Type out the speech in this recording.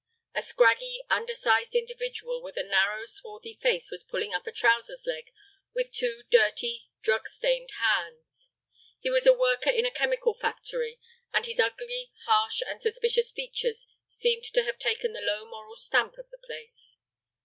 A scraggy, undersized individual with a narrow, swarthy face was pulling up a trousers leg with two dirty, drug stained hands. He was a worker in a chemical factory, and his ugly, harsh, and suspicious features seemed to have taken the low moral stamp of the place.